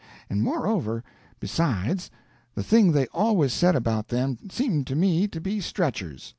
And moreover, besides, the thing they always said about them seemed to me to be stretchers.